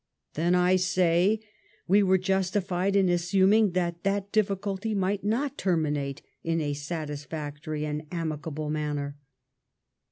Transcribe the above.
Then, I say, we were justified in assuming that that difficulty might not terminate in a satisfactory and amicable manner.